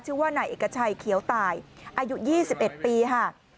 ชื่อว่านายเอกชัยเขียวตายอายุ๒๑ปีค่ะ